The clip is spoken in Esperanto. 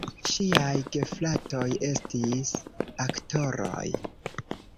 Ŝiaj gefratoj estis aktoroj.